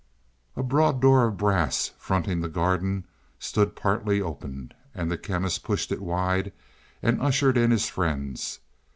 A broad door of brass, fronting the garden, stood partly open, and the Chemist pushed it wide and ushered in his friends.